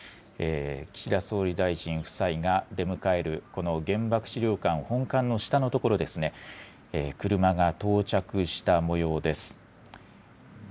岸田総理大臣夫妻が出迎える、この原爆資料館本館の下の所ですね、車が到着したもようです。